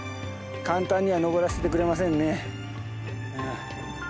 簡単には登らせてくれませんね。